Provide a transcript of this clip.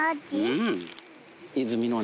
うん。